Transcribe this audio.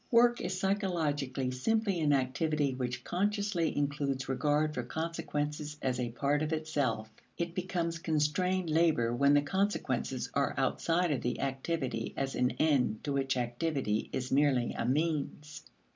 Work is psychologically simply an activity which consciously includes regard for consequences as a part of itself; it becomes constrained labor when the consequences are outside of the activity as an end to which activity is merely a means.